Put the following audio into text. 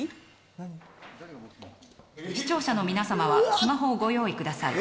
視聴者の皆さまはスマホをご用意ください。